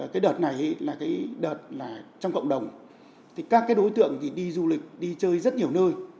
cái đợt này là cái đợt trong cộng đồng các đối tượng đi du lịch đi chơi rất nhiều nơi